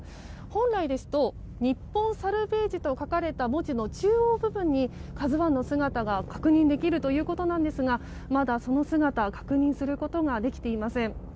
本来ですと日本サルヴェージと書かれた文字の中央部分に「ＫＡＺＵ１」の姿が確認できるということですがまだその姿確認することができていません。